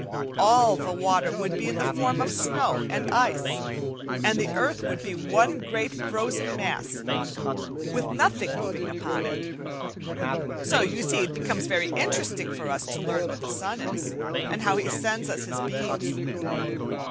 All water would be in the form of snow and ice, and the earth would be one great frozen mass with nothing moving upon it. So you see it becomes very interesting for us to learn what the sun is, and how he sends us his beams.